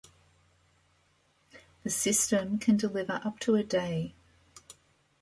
The system can deliver up to a day.